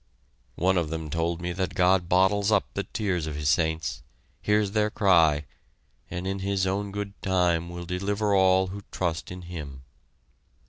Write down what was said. One of them told me that God bottles up the tears of his saints, hears their cry, and in His own good time will deliver all who trust in Him.